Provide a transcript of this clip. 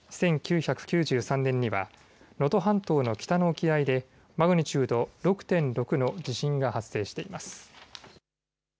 １９９３年には能登半島の北の沖合でマグニチュード６．６の地震が発生しています。